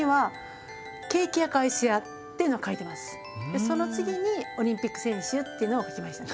でその次にオリンピック選手っていうのを書きました。